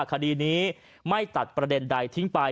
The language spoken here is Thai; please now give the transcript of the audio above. ที่จะให้คาดีนี้ไม่ตัดประเด็นใดทิ้งไป